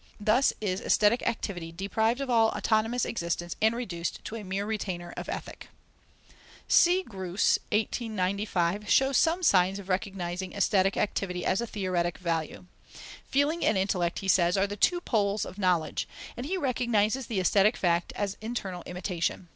Thus is aesthetic activity deprived of all autonomous existence and reduced to a mere retainer of Ethic. C. Groos (1895) shows some signs of recognizing aesthetic activity as a theoretic value. Feeling and intellect, he says, are the two poles of knowledge, and he recognizes the aesthetic fact as internal imitation.